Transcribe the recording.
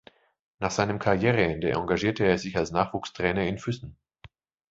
Nach seinem Karriereende engagierte er sich als Nachwuchstrainer in Füssen.